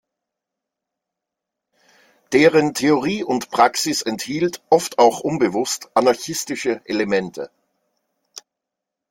Deren Theorie und Praxis enthielt, oft auch unbewusst, anarchistische Elemente.